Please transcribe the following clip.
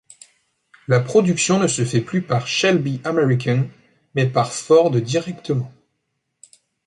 La production ne se fait plus par Shelby American, mais par Ford directement.